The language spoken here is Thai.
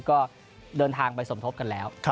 ก็เดินทางไปสมทบกันแล้ว